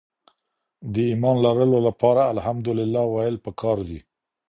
د ايمان لرلو لپاره ألحمدلله ويل پکار دي.